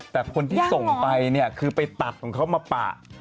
แต่คนที่ส่งไปเนี่ยคือไปตัดของเขามาปะ